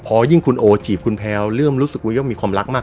พอยิ่งคุณโอจีบคุณแพลวเริ่มรู้สึกว่ายกมีความรักมาก